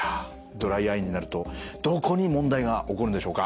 ドライアイになるとどこに問題が起こるんでしょうか。